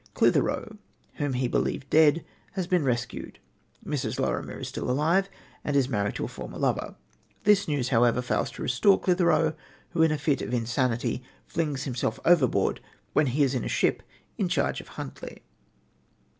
Clithero, whom he believed dead, has been rescued. Mrs. Lorimer is still alive, and is married to a former lover. This news, however, fails to restore Clithero, who, in a fit of insanity, flings himself overboard when he is in a ship in charge of Huntly.